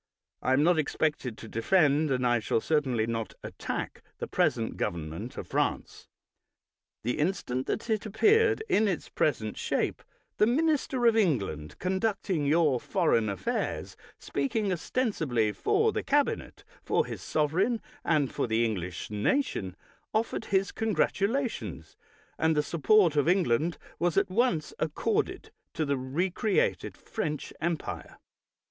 I am not expected to defend, and I shall certainly not attack, the present government of France. The instant that it appeared in its present shape the minister of England conducting your foreign affairs, speaking ostensibly for the cab inet, for his sovereign, and for the English nation, offered his congratulations, and the sup port of England was at once accorded to the recreated French Empire.